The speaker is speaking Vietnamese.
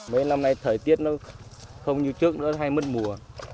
mấy năm nay thời tiết nó không như trước nó hay mất mùa